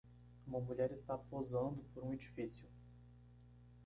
Uma mulher está posando por um edifício.